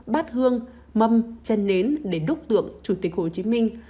bát hương mâm chân nến để đúc tượng chủ tịch hồ chí minh